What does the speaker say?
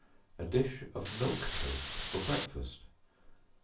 A Dish of Milk Toast for Breakfast.